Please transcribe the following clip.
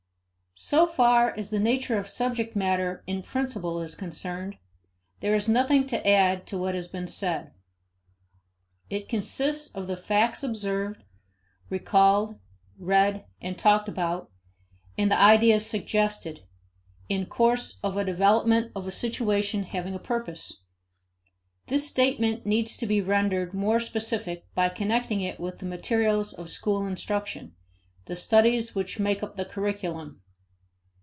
So far as the nature of subject matter in principle is concerned, there is nothing to add to what has been said (See ante, p. 134). It consists of the facts observed, recalled, read, and talked about, and the ideas suggested, in course of a development of a situation having a purpose. This statement needs to be rendered more specific by connecting it with the materials of school instruction, the studies which make up the curriculum.